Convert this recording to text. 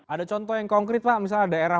ada contoh yang konkret pak misalnya daerah